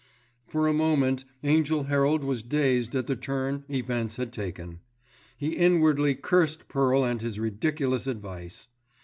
For a moment Angell Herald was dazed at the turn events had taken. He inwardly cursed Pearl and his ridiculous advice.